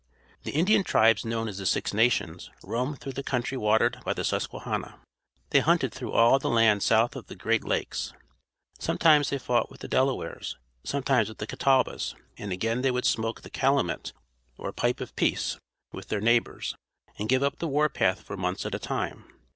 The Indian tribes known as the Six Nations roamed through the country watered by the Susquehanna. They hunted through all the land south of the Great Lakes. Sometimes they fought with the Delawares, sometimes with the Catawbas, and again they would smoke the calumet or pipe of peace with their neighbors, and give up the war path for months at a time.